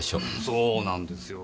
そうなんですよ